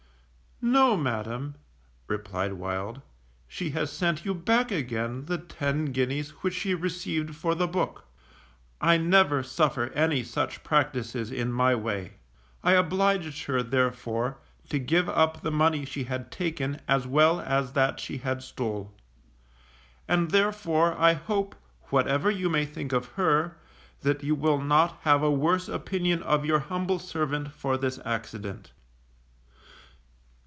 No, Madam_, replied Wild, _she has sent you back again the ten guineas which she received for the book; I never suffer any such practices in my way. I obliged her, therefore, to give up the money she had taken as well as that she had stole. And therefore I hope, whatever you may think of her, that you will not have a worse opinion of your humble servant for this accident.